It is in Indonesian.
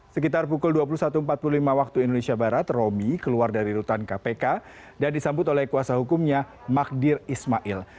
sekitar pukul dua puluh satu empat puluh lima waktu indonesia barat romi keluar dari rutan kpk dan disambut oleh kuasa hukumnya magdir ismail